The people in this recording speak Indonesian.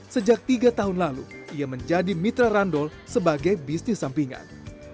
sejak tiga tahun lalu ia menjadi mitra randol sebagai bisnis sampingan